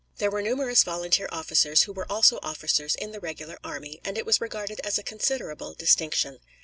There were numerous volunteer officers who were also officers in the regular army, and it was regarded as a considerable distinction.